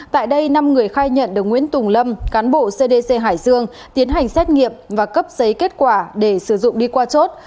tại đây năm người khai nhận được nguyễn tùng lâm cán bộ cdc hải dương tiến hành xét nghiệm và cấp giấy kết quả để sử dụng đi qua chốt